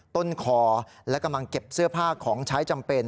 ต้นคอและกำลังเก็บเสื้อผ้าของใช้จำเป็น